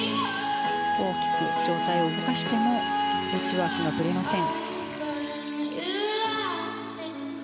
大きく状態を動かしてもエッジワークがぶれません。